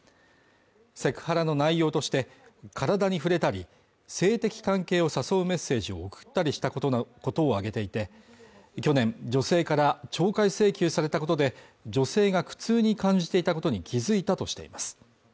セクハラの内容として、体に触れたり、性的関係を誘うメッセージを送ったりしたことを挙げていて、去年女性から懲戒請求されたことで、女性が苦痛に感じていたことに気づいたとしています。